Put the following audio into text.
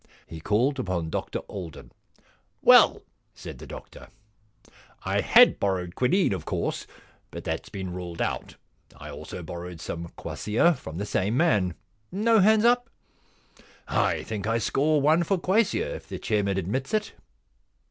He called upon Dr Alden. * Well/ said the Doctor, * I had borrowed quinine, of course, but that has been ruled out. I also borrowed some quassia from the same man. No hands up ? I think I score one for quassia, if the chairman admits it.'